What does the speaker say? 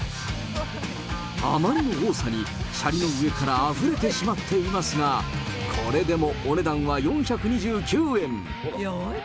あまりの多さに、シャリの上からあふれてしまっていますが、これでもお値段は４２９円。